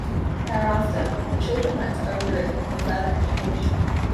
Thereafter, the children went to Oamaru for further education.